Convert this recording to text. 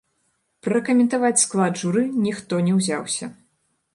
Пракаментаваць склад журы ніхто не ўзяўся.